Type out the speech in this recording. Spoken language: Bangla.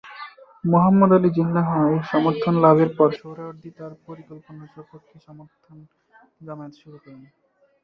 মোহাম্মদ আলী জিন্নাহ এর সমর্থন লাভের পর সোহরাওয়ার্দী তার পরিকল্পনার সপক্ষে সমর্থন জমায়েত শুরু করেন।